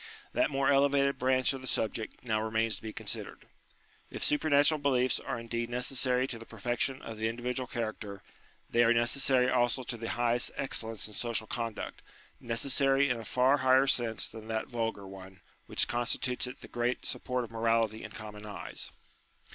That more elevated branch of the subject now remains to be considered. Jf supernatural beliefs are indeed necessary to the perfection of the individual character, they are neces sary also to the highest excellence in social conduct : necessary in a far higher sense than that vulgar one, which constitutes it the great support of morality in common eyes.